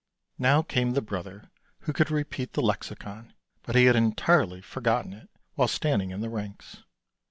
" Now came the brother who could repeat the Lexicon, but he had entirely forgotten it while standing in the ranks.